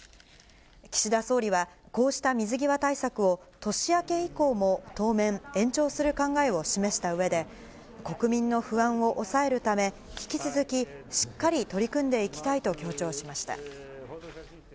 岸田総理は、こうした水際対策を年明け以降も当面、延長する考えを示したうえで、国民の不安を抑えるため、引き続きしっかり取り組んでいきたいと強調しました。